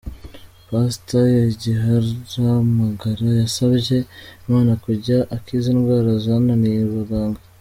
Pastor Igiharamagara yasabye Imana kujya akiza indwara zananiye abaganga.